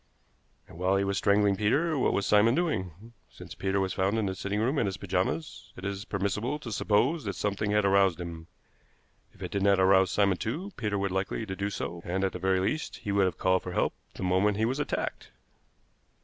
"And while he was strangling Peter, what was Simon doing? Since Peter was found in the sitting room in his pajamas, it is permissible to suppose that something had aroused him. If it did not arouse Simon too, Peter would be likely to do so, and at the very least he would have called for help the moment he was attacked."